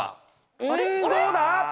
んどうだ？